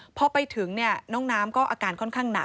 พอไปถึงน้องน้ำก็อาการค่อนข้างหนัก